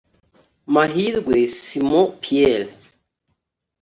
Mahirwe Simo Pierre